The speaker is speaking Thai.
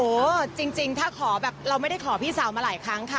โอ้โหจริงถ้าขอแบบเราไม่ได้ขอพี่สาวมาหลายครั้งค่ะ